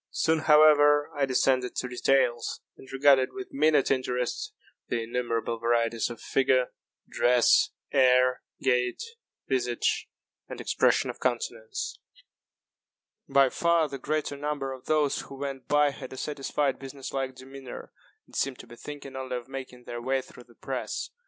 Soon, however, I descended to details, and regarded with minute interest the innumerable varieties of figure, dress, air, gait, visage, and expression of countenance. By far the greater number of those who went by had a satisfied business like demeanor, and seemed to be thinking only of making their way through the press.